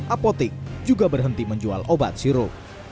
apotik juga berhenti menjual obat sirup